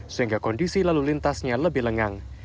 sehingga kondisi lalu lintasnya lebih lengang